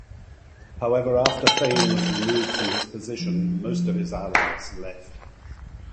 However, after Thain was removed from his position, most of his allies left.